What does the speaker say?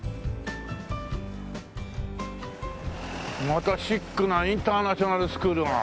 またシックなインターナショナルスクールが。